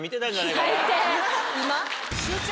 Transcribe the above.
最低。